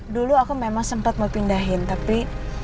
dulu aku memang sempat mau pindahin tapi